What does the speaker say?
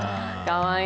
かわいい。